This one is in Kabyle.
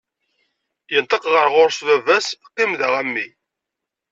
Yenṭeq ɣer ɣur-s baba-s: Qim-d a mmi.